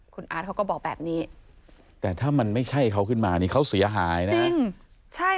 คุณอาร์ตเขาก็บอกแบบนี้แต่ถ้ามันไม่ใช่เขาขึ้นมานี่เขาเสียหายนะ